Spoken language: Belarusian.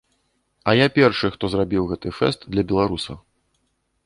А я першы, хто зрабіў гэты фэст для беларусаў.